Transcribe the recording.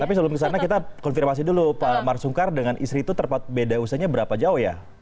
tapi sebelum kesana kita konfirmasi dulu pak marsungkar dengan istri itu beda usianya berapa jauh ya